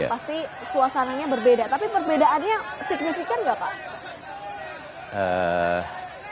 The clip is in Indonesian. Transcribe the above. pasti suasananya berbeda tapi perbedaannya signifikan gak pak